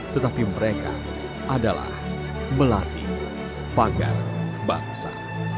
tetapi mereka adalah melati pagar bangsa